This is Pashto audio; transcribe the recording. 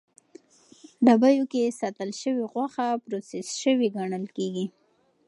ډبیو کې ساتل شوې غوښه د پروسس شوې ګڼل کېږي.